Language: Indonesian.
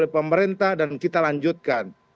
pemerintah dan kita lanjutkan